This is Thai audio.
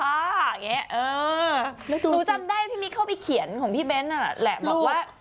อู๋อ่าดูยังไม่เข้าไปเขียนของพี่เบ้นอ่ะแหละบอกว่า